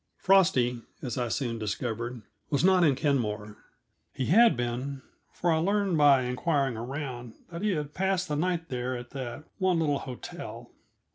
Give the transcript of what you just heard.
Frosty, as I soon discovered, was not in Kenmore. He had been, for I learned by inquiring around that he had passed the night there at that one little hotel.